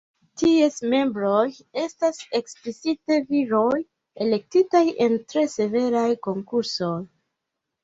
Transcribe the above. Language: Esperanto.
Ties membroj estas eksplicite viroj, elektitaj en tre severaj konkursoj.